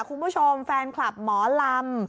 คุณผู้ชมแฟนคลับหมอลำ